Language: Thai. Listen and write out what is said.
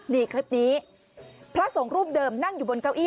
นี่คลิปนี้พระสงฆ์รูปเดิมนั่งอยู่บนเก้าอี